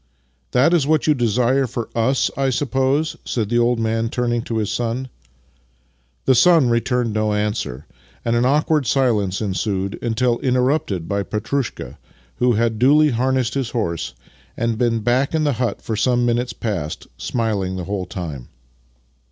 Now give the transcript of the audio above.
" That is what you desire for us, I suppose? " said the old man, turning to his son. The son returned no answer, and an awkward silence ensued until interrupted by Petrushka, who had duly harnessed his horse and been back in the hut for some minutes past, smiling the whole time.